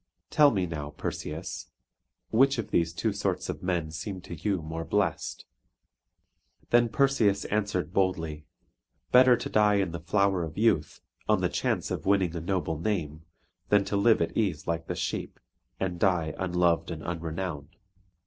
Tell me now, Perseus, which of these two sorts of men seem to you more blest?" Then Perseus answered boldly: "Better to die in the flower of youth, on the chance of winning a noble name, than to live at ease like the sheep, and die unloved and unrenowned."